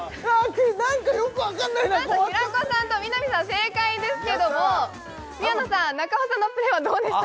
ク何かよくわかんないな平子さんと南さん正解ですけども宮野さん中尾さんのプレーはどうでした？